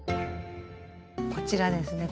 こちらですね